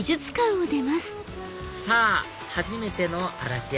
さぁ初めての嵐山